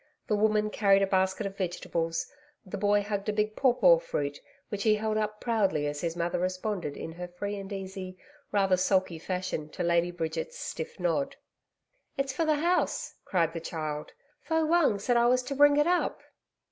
The woman carried a basket of vegetables, the boy hugged a big pawpaw fruit which he held up proudly as his mother responded in her free and easy, rather sulky fashion to Lady Bridget's stiff nod. 'It's for the House,' cried the child. 'Fo Wung said I was to bring it up.'